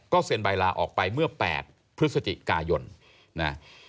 เซ็นใบลาออกไปเมื่อ๘พฤศจิกายนนะ